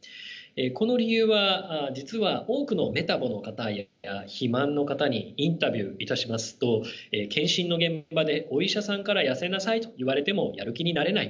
この理由は実は多くのメタボの方や肥満の方にインタビューいたしますと検診の現場でお医者さんから痩せなさいと言われてもやる気になれない。